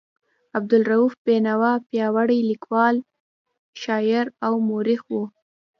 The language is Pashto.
عبدالرؤف بېنوا پیاوړی لیکوال، شاعر او مورخ و.